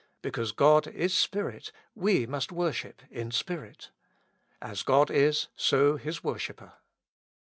Because God is Spirit., we must worship in spirit. As God is, so His worshipper.